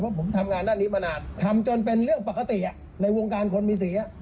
เพราะผมทำงานด้านนี้มานานทำจนเป็นเรื่องปกติในวงการคนมีสี